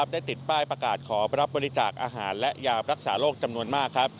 ได้ติดป้ายประกาศขอรับบริจาคอาหารและยารักษาโรคจำนวนมาก